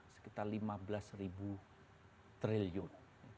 sekitar lima belas ribu triliun